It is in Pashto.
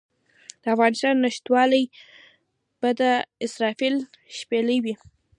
د افغانستان نشتوالی به د اسرافیل شپېلۍ وي.